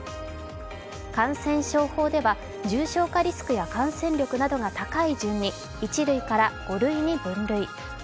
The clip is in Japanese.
感染症法では重症化リスクや感染力などが高い順に１類から５類に分類。